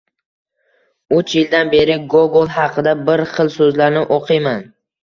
Uch yildan beri Gogol haqida bir xil soʻzlarni oʻqiyman.